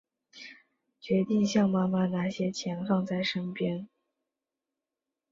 决定向妈妈拿些钱放在身边